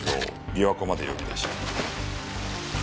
琵琶湖まで呼び出し。